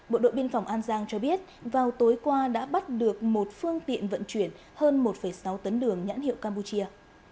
bộ đội biên phòng an giang cho biết vào tối qua đã bắt được một phương tiện vận chuyển hơn một sáu tấn đường nhãn hiệu campuchia